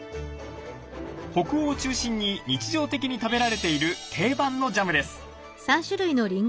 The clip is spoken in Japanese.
北欧を中心に日常的に食べられている定番のジャムです。